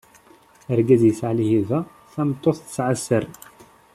Argaz yesɛa lhiba, tameṭṭut tesɛa sser.